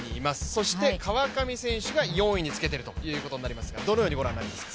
そして川上選手が４位につけているということになりますが、どのようにご覧になりますか。